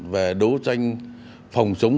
về đấu tranh phòng chống